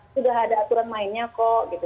sudah ada aturan mainnya kok gitu